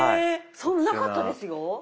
そんななかったですよ。